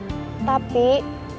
aku juga pengen kerja kantoran